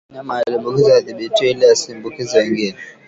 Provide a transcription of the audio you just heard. Mnyama aliyeambukizwa adhibitiwe ili asiambukize wengine